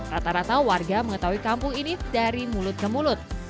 rata rata warga mengetahui kampung ini dari mulut ke mulut